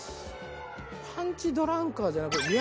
パンチドランカーじゃなく。